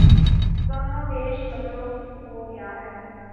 کم و بیش متروک ہو گیا ہے